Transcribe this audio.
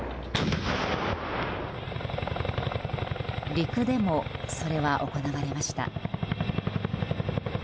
陸でもそれは行われました。